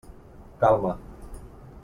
Calma.